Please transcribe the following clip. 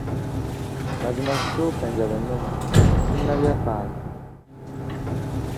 Mazima kituufu enjala ennuma, sinnalya kantu.